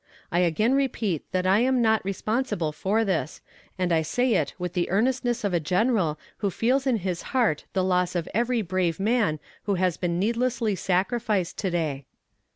I again repeat that I am not responsible for this, and I say it with the earnestness of a General who feels in his heart the loss of every brave man who has been needlessly sacrificed to day.